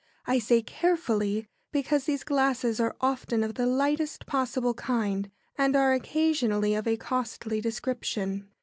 I say "carefully," because these glasses are often of the lightest possible kind, and are occasionally of a costly description.